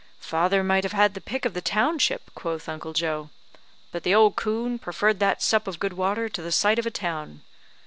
"Father might have had the pick of the township," quoth Uncle Joe; "but the old coon preferred that sup of good water to the site of a town.